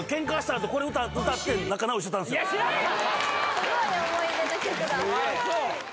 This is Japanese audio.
すごい思い出の曲だ・すげえあ